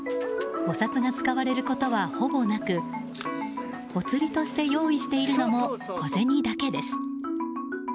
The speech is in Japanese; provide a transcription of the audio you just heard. お札が使われることは、ほぼなくおつりとして用意しているのも小銭だけです。